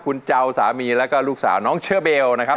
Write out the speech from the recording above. คุณเจ้าสามีแล้วก็ลูกสาวน้องเชอเบลนะครับ